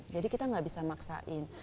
jadi kita nggak bisa maksain